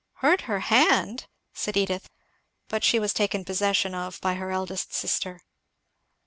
"Hurt her hand!" said Edith. But she was taken possession of by her eldest sister.